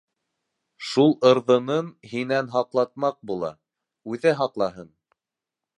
Шул ырҙынын һинән һаҡлатмаҡ була - үҙе һаҡлаһын!